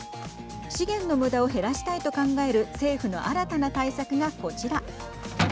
資源の無駄を減らしたいと考える政府の新たな対策がこちら。